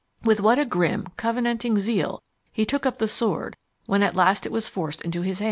With what a grim, covenanting zeal he took up the sword when at last it was forced into his hand!